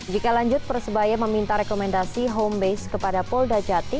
jika lanjut persebaya meminta rekomendasi home base kepada polda jati